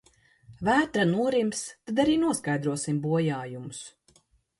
Vētra norims, tad arī noskaidrosim bojājumus.